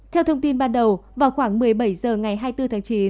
theo thông tin ban đầu vào khoảng một mươi bảy h ngày hai mươi bốn tháng chín